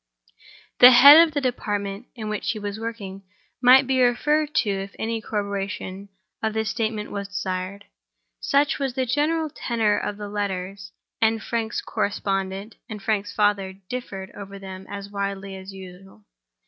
The head of the department in which he was working might be referred to if any corroboration of this statement was desired. Such was the general tenor of the letters; and Frank's correspondent and Frank's father differed over them as widely as usual.